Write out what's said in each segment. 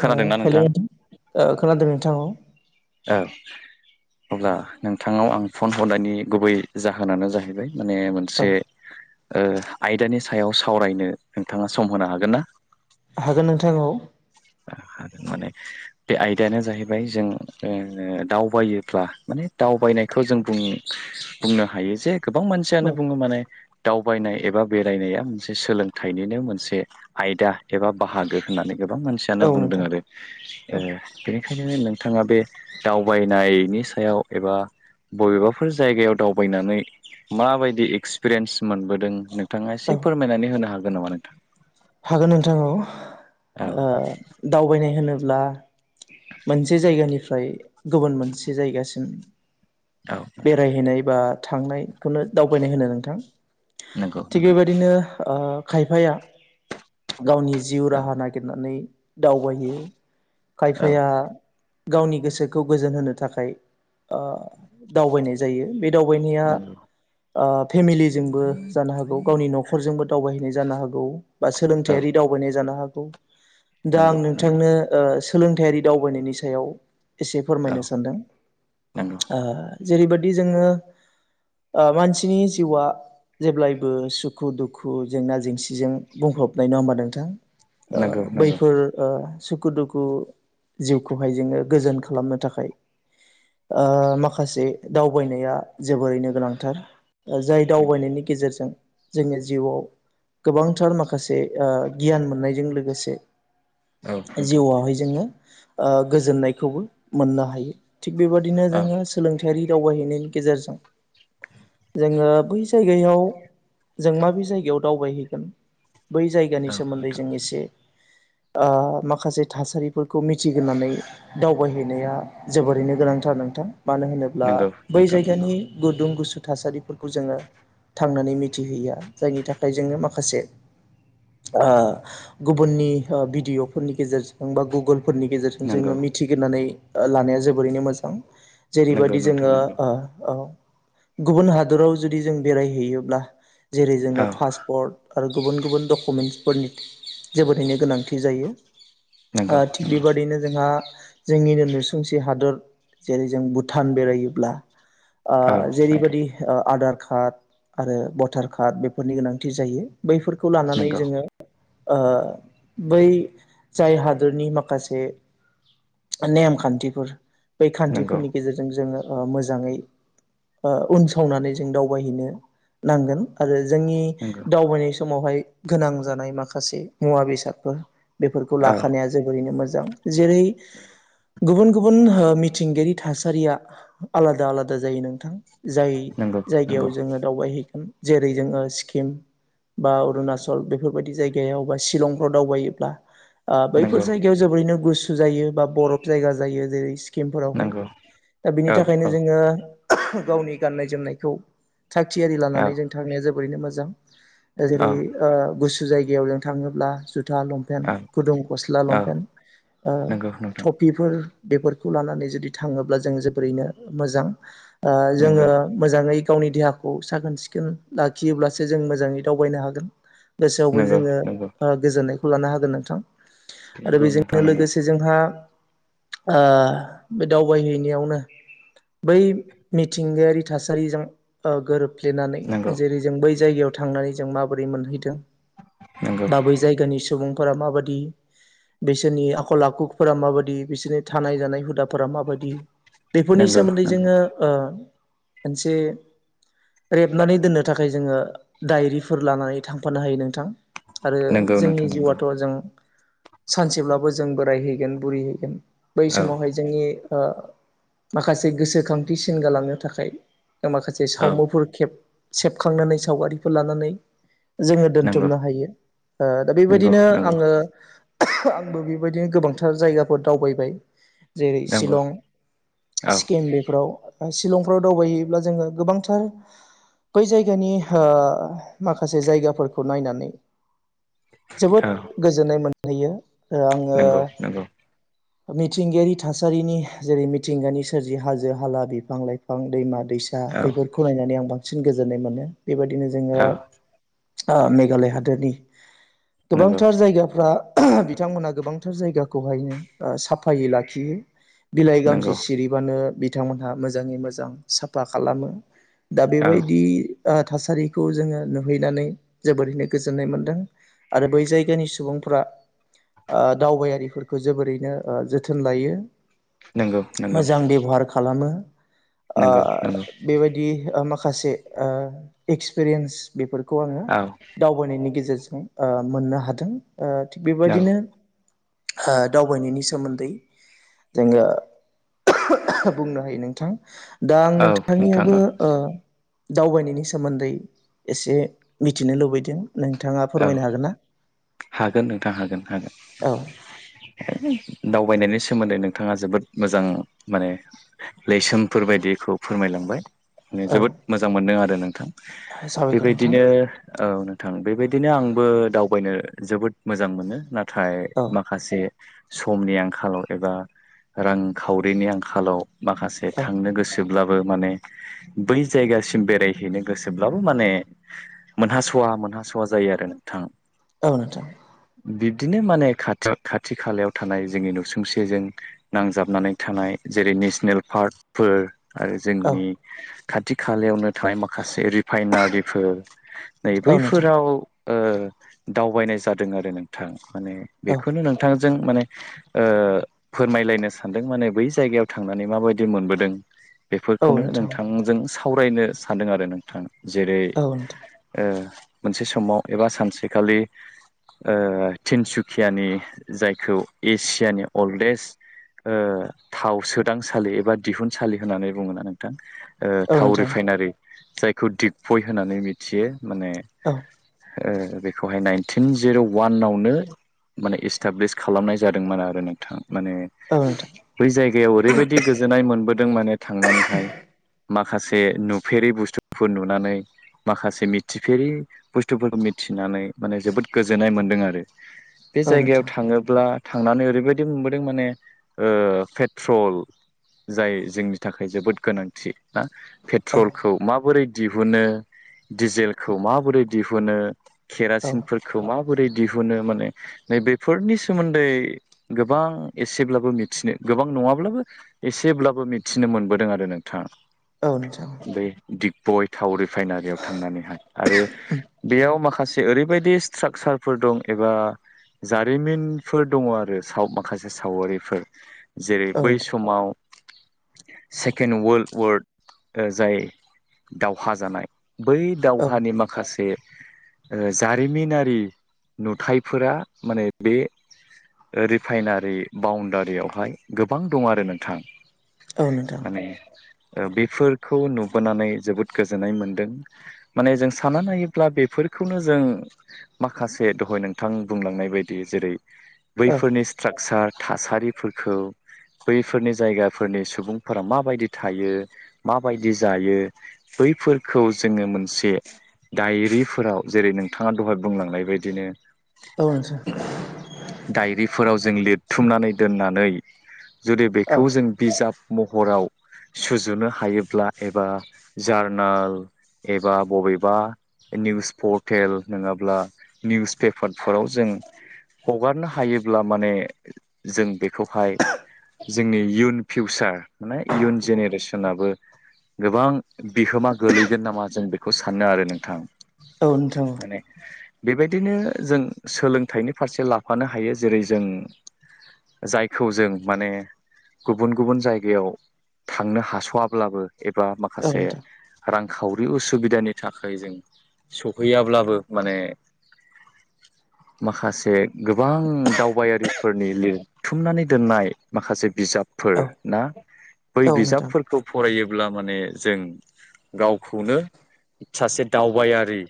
खोनादोंना हेलौ नोंथां नोंथां खोनादों नोंथां औ औ अब्ला नोंथांनाव आं फन हरनायनि गुबै जाहोनानो जाहैबाय माने औ मोनसे ओ आयदानि सायाव सावरायनो नोंथाङा सम होनो हागोन ना? हागोन नोंथां औ माने बे आयदायानो जाहैबाय जों ओ दावबायोब्ला माने दावबायनायखौ जों बुं बुंनो हायो जे गोबां मानसियानो औ बुङो माने दावबायनाय एबा बे फरायनाया मोनसे सोलोंथाइनिनो मोनसे आयदा एबा बाहागो होननानै गोबां मान सानो औ बुंदों नोंथां आरो ओ औ बे बेखायनो नोंथाङा बे दावबायनायनि सायाव एबा बबेबाफोर जायगायाव दावबायनानै माबायदि एक्सपिरियेन्स मोनबोदों नों नोंथाङा एसे औ फोरमायनानै होनो हागोन नामा नोंथां हागोन नोंथां औ ओ औ दावबायनाय होनोब्ला? मोनसे जायगानिफ्राय गुबुन मोनसे जायगासिम औ बेरायहैनाय बा थांनायखौनो दावबायनाय होनो नोंथां नंगौ थिग नंगौ बेबायदिनो खायफाया गावनि जिउ औ राहा नागिरनानै दावबायायो औ खायफाया गावनि गोसोखौ गोजोन होनो थाखाय दावबायनाय आ जायो बे दावबायनाया नंगौ फेमिलिजोंबो जानो हागौ गावनि न'खरजोंबो दावबायहैनाय जानो हागौ बा औ सोलोंथायारि दावबायनाय जानो हागौ दा आं नंगौ नंगौ नोंथांनो ओ सोलोंथायारि दावबायनायनि सायाव एसे औ फोरमायनो सानदों नंगौ ओ जेरैबाददि जोङो ओ मानसिनि जिउआ जेब्लायबो सुखु दुखु जेंना जेंसिजों बुंफबनाय नङा होमबा नोंथां नंगौ ओ नंगौ बैफोर ओ सुखु दुखु जिउखौहाय जोङो गोजोन खालामनो थाखाय माखासे दावबायनाया जोबोरैनो गोनांथार जाय नंगौ दावबायनायनि गेजेरजों जोङो जिउआव गोबांथार माखासे माखासे गियान मोननायजों लोगोसे औ नोंथां जिउआवहाय जोङो ओ गोजोननायखौबो मोननो हायो थिग बेबाददिनो औ जोङो सोलोंथायारि दावबायहैनायनि गेजेरजों जोङो बै जायगायाव जों माबे जायगायाव दावबायहैगोन बै जायगानि औ सोमोन्दै नोंथां जों एसे [inaudible] माखासे थासारिफोरखौ मिथिग्रोनानै दावबायहैनाया जोबोरैनो गोनांथार नोंथां मानो होनोब्ला नंगौ बै नोंथां नंगौ जायगानि गुदुं गुसु थासारिफोरखौ जोङो थांनानै मिथिहैया जायनि थाखाय जोङो माखासे गुबुननि भिडिअ'फोरनि गेजेरजों जों बा गुगोलफोरनि गेजेरजों जोङो नंगौ मिथिग्रानै लानाया जोबोरैनो मोजां नंगौ जेरैबायदि नोंथां जोङो नंगौ औ गुबुन हादराव जुदि जों बेरायहैयोब्ला जेरै जोंनो औ पासपर्ट आरो गुबुन गुबुन डकुमेन्टसफोरनि जोबोदैनो गोनांथि जायो नंगौ थिग नंगौ बेबादिनो जोंहा जोंनिनो नुसुंसे हादर जेरै जों भुटान बेरायोब्ला ओ औ नोंथां जेरैबायाददि आधार कार्ड आरो भटार कार्ड बेफोरनि गोनांथि जायो बैफोरखौ लानानै नंगौ जोङो बै जाय हादरनि माखासे नेम खान्थिफोर बै नंगौ खान्थिफोरनि गेजेरजों जोङो ओ मोजाङै ओक्षउन सावनानै जों दावबायहैनो नांगोन आरो जोंनि नंगौ दावबायनाय समावहाय गोनां जानाय माखासे मुवा बेसादफोर बेफोरखौ औ लाखानाया जोबोरैनो मोजां जेरै गुबुन गुबुन हो मिथिंगायारि थासारिया आलादा आलादा जायो नोंथां जाय नंगौ जायगायाव नंगौ जोङो दावबायहैगोन जेरै जोङो सिक्किम बा अरुणाचल बेफोरबायदि जायगायाव बा शलंफ्राव दावबायोब्ला ओ बैफोर नंगौ जायगायाव जोबोरैनो गुसु जायो बा बरफ जायगा जायो जेरै स्किमफोरावहाय नंगौ दा औ बिनि औ थाखायनो जोङो गावनि गाननाय जोमनायखौ थागियारि औ लानानै जों थांनाया जोबैनो मोजां औ जेरै गु गुसु जगायाव नों थाङोब्ला जुथा लंपेन्ट औ गुदुं गस्ला औ लंपेन्ट ओ नंगौ नोंथां थफिफोर बेफोरखौ लानानै जुदि थाङोब्ला जों जोबोरैनो मोजां जोङो नंगौ मोजाङै गावनि देहाखौ साखोन सिखोन लाखियोब्लासो जों मोजाङै दावबायनो हागोन गोसोआवबो नंगौ जोङो नंगौ गोजोननायखौ लानो हागोन नोंथां आरो नंगौ नोंथां बेजोंनो नंगौ लोगोसे जोंहा ओ बे दावबायहैनायावनो बै मिथिंगायारि थासारिजों गोरोब फ्लेनानै नंगौ जेरै जों बै जायगायाव थांनानै जों माबोरै मोनहैदों नंगौ बा बै जायगानि सुबुं फोरा माबादि बिसोरनि आखल आखुफोरा माबादि बिसोरनि थानाय जानाय हुदा फोर माबायदि बेफोरनि नंगौ सोमोन्दै नंगौ जोङो मोनसे रेबनानै दोननो थाखाय जोङो दायरि फोर लानानै थांफानो हायो नोंथां आरो नंगौ जोंनि नोंथां नंगौ जिउआथ' जों सानसेब्लाबो जों बोरायहैगोन बुरिहैगोन बै औ समावहाय जोंनि माखासे गोसोखांथिसिन गालांनो थाखाय माखासे औ सावमुफोर खब सेबखांनानै सावगारिफोर लानानै जोङो नंगौ दोनथुमनो हायो ओ दा नंगौ बेबायदिनो नंगौ आङो आंबो बेबायदिनो गोबांथार जायगाफोर दावबायबाय जेरै नंगौ शिलं औ सिक्किम बेफोराव शलंफ्राव दावबायोब्ला जोङो गोबांथार बै जायगानि माखासे जायगाफोरखौ नायनानै जोबोद गोजोननाय मोनहैयो आङो नंगौ नंगौ मिथिंगायारि थासारिनि जेरै मिथिंगानि सोरजि हाजो हाला बिफां लाइफां दैमा दैसा औ बेफोरखौ नायनानै आं बांसिन गोजोननाय मोनो बेबायदिनो जोङो औ ओ मेघालय हादोरनि नंगौ गोबांथार जायगाफ्रा बिथांमोना गोबांथार जायगाखौहायनो साफायै लाखियो बिलाइ गांसे नंगौ सिरिबानो बिथांमोनहा मोजाङै मोजां साफा खालामो दा औ बेबायदि थासारिखौ जोङो नुहैनानै जोबोरैनो गोजोननाय मोनदों आरो बै जायगानि सुबुंफोरा ओ दावबायारिफोरखौ जोबोरैनो जोथोन लायो नंगौ नंगौ मोजां बेबहार खालामो ओ नंगौ नंगौ बेबायदि माखासे ओ एक्सपिरियेन्स बेफोरखौ बे खौ आङो औ दावबायनायनि गेजेरजों मोननो हादों। ओ थिग औ बेबायदिनो दावबायनायनि सोमोन्दै जोङो बुंनो हायो नोंथां दा आं औ नोंथां नोंथांनियावबो औ दावबायनायनि सोमोन्दै एसे मिथिनो लुबैदों नोंथाङा औ फोरमायनो हागोन ना हागोन नोंथां हागोन हागोन औ दावबायनायनि सोमोन्दै नोंथाङा जोबोद मोजां माने लैसोमफोर बायदिखौ फोरमायलांबाय ने औ जोबोद मोजां मोनदों आरो नोंथां साबायखर नोंथां बेबायदिनो औ नोंथां बेबायदि आंबो दावबायनो जोबोद मोजां मोनो नाथाय औ माखासे समनि आंखालाव एबा रांखावरिनि आंखालाव माखासे औ थांनो गोसो ब्लाबो माने बै जायगासिम बेरायहैनो गोसोब्लाबो माने मोनहास'आ मोनहास' थ जायो आरो नोंथां औ नोंथां बिब्दिनो माने खाथि खाथि खालायाव थानाय जोंनि नुसुंसेजों नांजाबनानै थानाय जेरै नेसनेल पार्कफोर आरो औ जोंनि खाथि खालायावनो थानाय माखासे रिफाइनारिफोर नै औ नोंथां बैफोराव ओ दावबायनाय जादों आरो नोंथां माने औ बेखौनो नोंथां जों माने फोरमायलायनो सानदों मान बै जायगायाव थांनानै माबायदि मोनबोदों औ बेफोरखौनो नोंथां नोंथांजों सावरायनो सानदों आरो नोंथां जेरै औ नोंथां मोनसे समाव एबा सानसेखालि ओ तिनसुकियानि जायखौ एसियानि अल्डेस्ट ओ थाव सोदांसालि एबा दिहुनसालि होननानै बुङोना नोंथां। ओ औ थाव नोंथां रिफाइनारि जायखौ दिगबइ होननानै मिथियो माने औ ओ बेखौहाय नाइनटिन जिर' वानावनो माने इस्टाब्लिस खालामनाय जादोंमोन आरो नोंथां। माने औ नोंथां बै जायगायाव ओरैबायदि गोजोननाय मोनबोदों माने थांनानैहाय माखासे नुफेरै बुस्थुफोर नुनानै माखासे मिथिफेरि बुस्थुफोरखौ मिथिनानै माने जोबोद गोजोननाय मोन्दों आरो बे औ जायगायाव नोंथां थाङोब्ला थांनानै ओरैबायदि मोनबोदों माने ओ पेट्रल जाय जोंनि थाखाय जोबोद गोनांथि ना औ पेट्रलखौ माबोरै दिहुनो दिडिजेलखौ माबोरै दिहुनो औ केरासिनफोरखौ मा बोरै दिहुनो माने नै बेफोरनि सोमोन्दै गोबां एसेब्लाबो मिथिनो गोबां नङाब्लाबो एसेब्लाबो मिथिनो मोनबोदों आरो नोंथां। औ नोंथां बै दिगबइ थाव रिफाइनारियाव थांनानैहाय। आरो बेयाव माखासे ओरैबायदि स्ट्राकसारफोर दं एबा जारिमिनफोर दङ आरो साव माखासे सावगारिफोर जेरै औ बै नोंथां समाव सेकेण्ड वर्ल्ड वार ओ जाय दावहा जानाय बै औ दावहानि माखा से ओ जारिमिनारि नुथायफोरा माने बे ओ रिफाइनारि बाउण्डारियावहाय गोबां दं आरो नोंथां। औ नोंथां। ओ बेफोरखौ नुबोनानै जोबोद गोजोननाय मोनदों माने जों सानना नायोब्ला बेफोरखौनो जों माखासे दहाय नोंथां बुंलांनाय बायदि जेरै औ बैफोरनि स्ट्राकसार थासारिफोरखौ बैफोरनि जायगाफोरनि सुबुंफोरा माबायदि थायो माबायदि जायो बैफोरखौ जोङो मोनसे डायरिफोराव जेरै नोंथाङा दहाय बुंलांनाय बायदिनो औ नोंथां औ नोंथां डायरिफोराव जों लिरथुमनानै दोननानै जुदि बेखौ जों बिजाब महराव सुजुनो हायोब्ला एबा जार्नाल एबा बबे बा निउस पर्टेल नङाब्ला निउस पेपारफोराव जों हगारनो हायोब्ला माने जों बेखौहाय जोंनि इयुन फिउसार माने इयुन जेनेरेसनाबो गोबां बिहोमा गोलैगोन नामा जों बेखौ सानो आरो नोंथां माने बेबायदिनो जों सोलोंथाइनि फारसे लाफानो हायो। जेरै जों जायखौ जों माने गुबुन गुबुन जायगायाव थांनो हास'वाब्लाबो एबा औ माखासे नोंथां रांखावरि उसुबिदानि थाखाय जों सहैयाब्लाबो माने माखासे गोबां दावबायारिफोरनि लिरथुमनानै दोननाय माखासे बिजाबफोर औ ना बै औ नोंथां बिजाबफोरखौ फरायो ब्ला माने जों गावखौनो सासे दावबायारि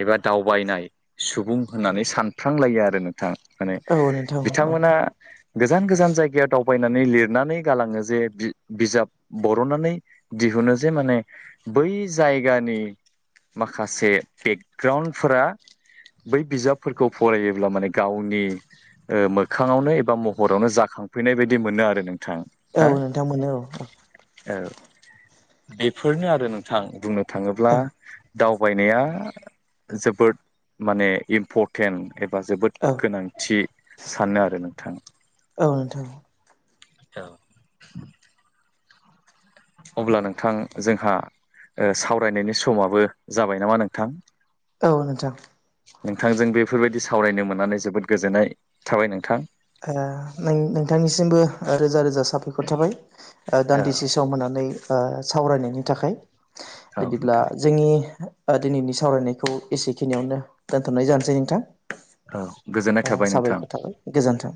एबा दावबायनाय सुबुं होननानै सानफ्लांलायो आरो नोंथां। माने औ नोंथां औ बिथांमोना गोजान गोजान जायगायाव दाव बायनानै लिरनानै गालाङो जे बि-बिजाब बर'ननानै दिहुनो जे माने बै जायगानि माखासे बेकग्राउन्डफोरा बै बिजाबफोरखौ फरायोब्ला माने गावनि ओ मोखाङावनो एबा महरावनो जाखां फैनाय बायदि मोनो आरो नोंथां औ हा नोंथां मोनो औ औ। बेफोरनो आरो नोंथां बुंनो थाङोब्ला औ दावबायनाया जोबोद माने इम्परटेन्ट एबा जोबोद औ गोनांथि सानो आरो नोंथां। औ नोंथां औ। अब्ला नोंथां जोंहा ओ सावरायनायनि समाबो जाबाय नामा नोंथां? औ नोंथां। नोंथांजों बेफोरबायदि सावरायनो मोननानै जोबोद गोजोननाय थाबाय नोंथां। ओ नों नोंथांनिसिमबो रोजा रोजा साबायखर थाबाय ओ औ दान्दिसे सम होनानै ओ सावरायनायनि थाखाय। औ बिदिब्ला नोंथां जोंनि ओ दिनैनि सावरायनायखौ एसेखिनियावनो दोनथ'नाय जानोसै नोंथां। औ गोजोननाय थाबाय नोंथां। साबायखर थाबाय गोजोन्थों